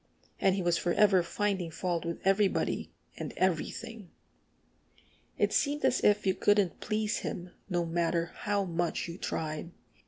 And he was forever finding fault with everybody and everything. It seemed as if you couldn't please him, no matter how much you tried.